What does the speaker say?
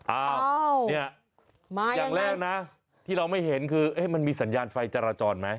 อ้าวเนี่ยอย่างแรกนะที่เราไม่เห็นคือมันมีสัญญาณไฟจราจรไหม